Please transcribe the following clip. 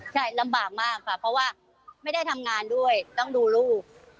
ใช่ลำบากมากค่ะเพราะว่าไม่ได้ทำงานด้วยต้องดูลูก